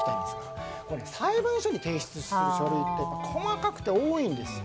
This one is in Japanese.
裁判所に提出する書類は細かくて多いんです。